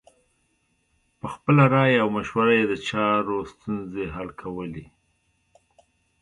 په خپله رایه او مشوره یې د چارو ستونزې حل کولې.